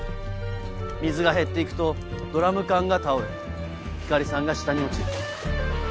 水が減って行くとドラム缶が倒れ光莉さんが下に落ちる。